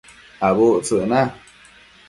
Abudtsëc na